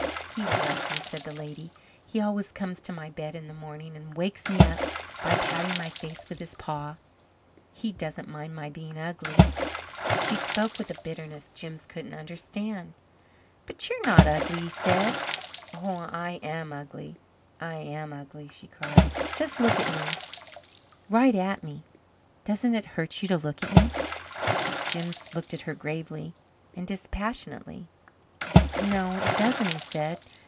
He loves me," said the lady. "He always comes to my bed in the morning and wakes me by patting my face with his paw. He doesn't mind my being ugly." She spoke with a bitterness Jims couldn't understand. "But you are not ugly," he said. "Oh, I am ugly I am ugly," she cried. "Just look at me right at me. Doesn't it hurt you to look at me?" Jims looked at her gravely and dispassionately. "No, it doesn't," he said.